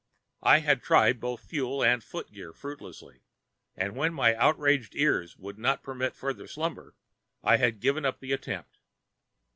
I had tried both fuel and footgear fruitlessly, and when my outraged ears would not permit further slumber I had given up the attempt.